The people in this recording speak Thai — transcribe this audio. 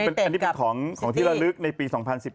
อันนี้เป็นของที่ระลึกในปี๒๐๑๘